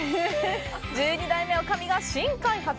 １２代目女将が新開発。